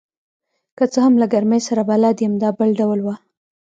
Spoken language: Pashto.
که څه هم له ګرمۍ سره بلد یم، دا بل ډول وه.